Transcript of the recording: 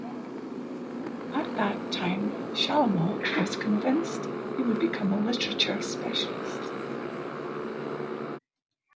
At that time Shalamov was convinced that he would become a literature specialist.